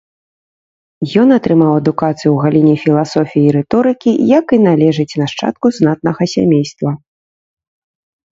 Ён атрымаў адукацыю ў галіне філасофіі і рыторыкі, як і належыць нашчадку знатнага сямейства.